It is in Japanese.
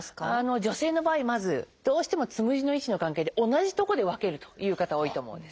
女性の場合まずどうしてもつむじの位置の関係で同じとこで分けるという方多いと思うんです。